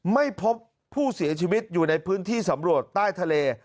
ไม่พบผู้เสียชีวิตอยู่ในพื้นที่สำรวจใต้ทะเล